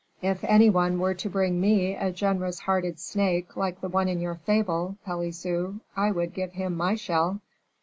If any one were to bring me a generous hearted snake like the one in your fable, Pelisson, I would give him my shell."